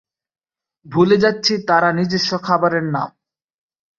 ভুলে যাচ্ছি তারা নিজস্ব খাবারের নাম।